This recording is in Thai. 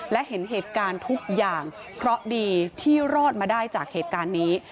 และเห็นเหตุการณ์ทุกอย่างเพราะดีที่รอดมาได้จากเหตุการณ์นี้